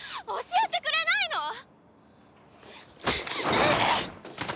教えてくれないの！？